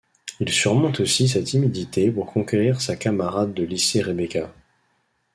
Il surmonte aussi sa timidité pour conquérir sa camarade de lycée Rebecca.